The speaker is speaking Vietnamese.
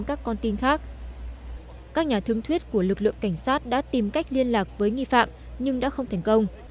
các nhà thướng thuyết của lực lượng cảnh sát đã tìm cách liên lạc với nghi phạm nhưng đã không thành công